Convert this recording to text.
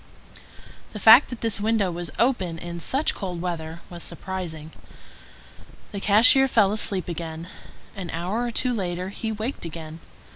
The fact that this window was open in such cold weather was surprising. The cashier fell asleep again. An hour or two later he waked again.